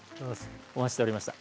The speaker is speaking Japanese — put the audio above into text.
お待ちしておりました。